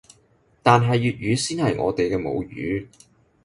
但係粵語先係我哋嘅母語